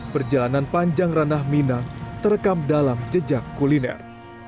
perjalanan panjang ranah minang terekam dalam jejak kuliner